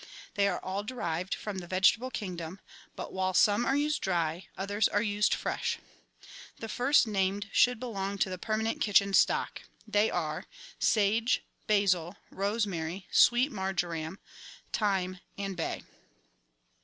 They are all derived from the vegetable kingdom ; but, while some are used dry, others are used fresh. The first named should belong to the permanent kitchen stock ; they are : sage, basil, rosemary, sweet marjoram, thyme, and bay.